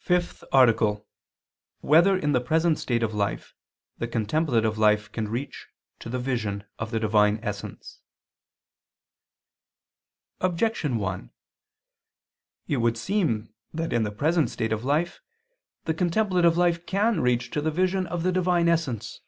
_______________________ FIFTH ARTICLE [II II, Q. 180, Art. 5] Whether in the Present State of Life the Contemplative Life Can Reach to the Vision of the Divine Essence? Objection 1: It would seem that in the present state of life the contemplative life can reach to the vision of the Divine essence.